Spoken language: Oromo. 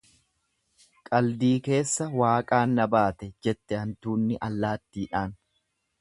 Qaldii keessa Waaqaan na baate jette hantuunni allaattiidhaan.